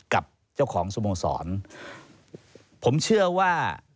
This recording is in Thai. กับเจ้าของสโมสรผมเชื่อว่า